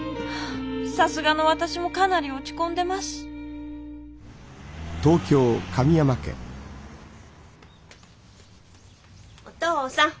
さすがの私もかなり落ち込んでますお父さん！